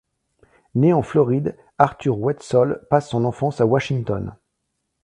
Né en Floride Arthur Whetsol passe son enfance à Washington.